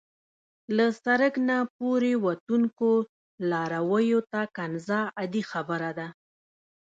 له سړک نه پورې وتونکو لارویو ته کنځا عادي خبره ده.